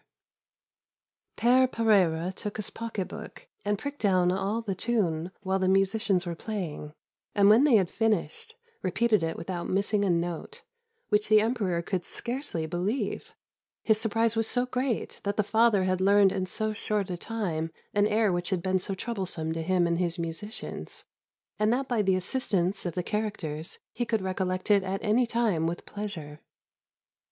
Pere Pereira took his pocketbook and pricked down all the tune while the musicians were playing, and when they had finished, repeated it without missing a note, which the emperor could scarcely believe, his surprise was so great that the father had learned in so short a time an air which had been so troublesome to him and 163 CHINA his musicians, and that by the assistance of the charac ters he could recollect it at any time with pleasure.